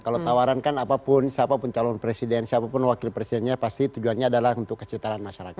kalau tawaran kan apapun siapapun calon presiden siapapun wakil presidennya pasti tujuannya adalah untuk kesetaraan masyarakat